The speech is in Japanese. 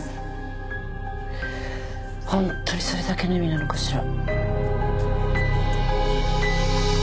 ホントにそれだけの意味なのかしら？